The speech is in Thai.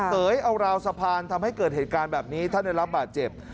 เอ๋ยเอาราวสะพานทำให้เกิดเหตุการณ์แบบนี้ท่านได้รับบาดเจ็บ